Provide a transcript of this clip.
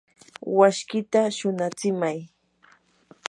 washkita shunatsimay.